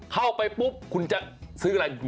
เข้าไปปุ๊บคุณจะซื้ออะไร